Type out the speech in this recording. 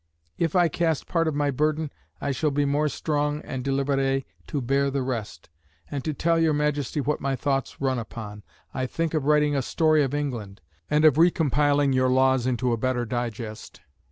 If I cast part of my burden, I shall be more strong and delivré to bear the rest. And, to tell your Majesty what my thoughts run upon, I think of writing a story of England, and of recompiling of your laws into a better digest."